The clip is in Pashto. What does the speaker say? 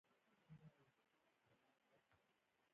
د لنډ وخت لپاره مو د خوب پرېکړه وکړه.